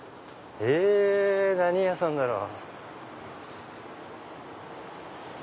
何屋さんだろう？